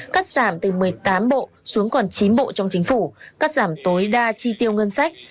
cắt giảm từ một mươi tám bộ xuống còn chín bộ trong chính phủ cắt giảm tối đa chi tiêu ngân sách